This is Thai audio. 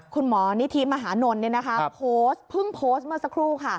คุณหมอนิธิมหานลโพสต์เพิ่งโพสต์เมื่อสักครู่